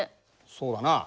そうだな。